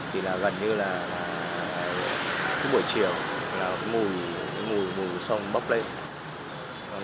thì gần như là cái buổi chiều là mùi sông bốc lên